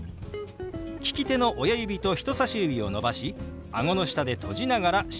利き手の親指と人さし指を伸ばしあごの下で閉じながら下へ動かします。